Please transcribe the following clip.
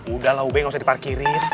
udah lah ub gak usah diparkirin